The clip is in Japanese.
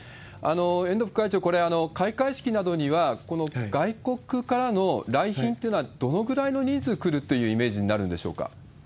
遠藤副会長、これ、開会式などにはこの外国からの来賓というのはどのくらいの人数来るっていうイメージになるんでしょうか？